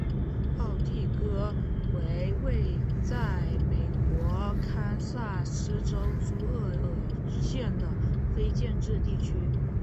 奥蒂戈为位在美国堪萨斯州朱厄尔县的非建制地区。